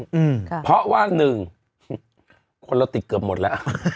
เนี่ยเพราะว่า๑คนเราติดเกือบหมดละ